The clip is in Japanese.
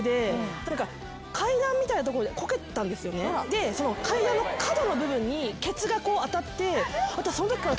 で階段の角の部分にケツが当たって。